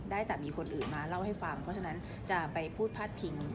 ได้แต่มีคนอื่นมาเล่าให้ฟังเพราะฉะนั้นจะไปพูดพาดพิง